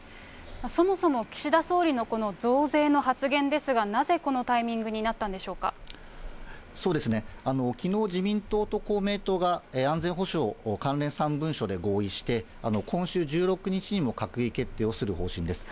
そもそも岸田総理のこの増税の発言ですが、なぜこのタイミンきのう、自民党と公明党が安全保障関連３文書で合意して、今週１６日にも閣議決定をする方針です。